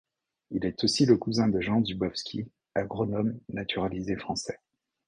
Il est aussi le cousin de Jean Dybowski, agronome naturalisé français.